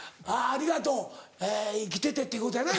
「ありがとう生きてて」っていうことやな